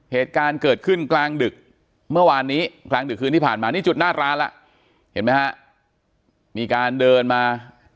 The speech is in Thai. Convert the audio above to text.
เหตุการณ์เกิดขึ้นกลางดึกเมื่อวานนี้กลางดึกคืนที่ผ่านมานี่จุดหน้าร้านล่ะเห็นไหมฮะมีการเดินมา